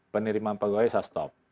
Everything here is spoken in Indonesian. penerimaan pegawai saya stop